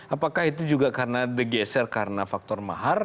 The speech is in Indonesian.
apakah itu juga karena digeser karena faktor mahar